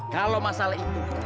kalau masalah itu